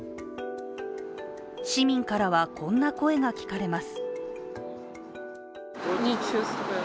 市民からはこんな声が聞かれます。